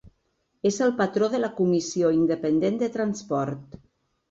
És el patró de la Comissió Independent de Transport.